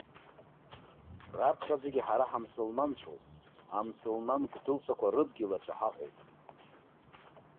Раԥхьаӡагьы, ҳара ҳамсылманцәоуп, амсылман гәҭылсақәа рыдгьыл аҿы ҳаҟоуп.